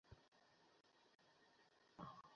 তাহারা জানিত শ্রীকৃষ্ণ প্রেমের মূর্ত বিগ্রহ।